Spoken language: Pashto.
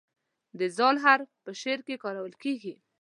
د "ذ" حرف په شعر کې کارول کیږي.